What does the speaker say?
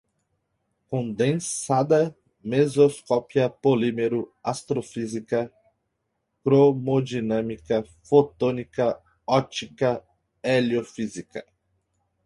condensada, mesoscópica, polímeros, astrofísica, cromodinâmica, fotônica, ótica, heliofísica